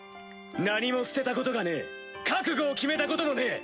何も捨てたことがねえ覚悟を決めたこともねえ！